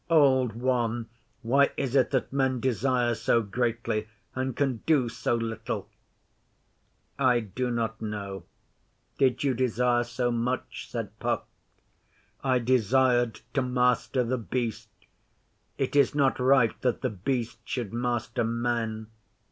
Old One, why is it that men desire so greatly, and can do so little?' 'I do not know. Did you desire so much?' said Puck. 'I desired to master The Beast. It is not right that The Beast should master man.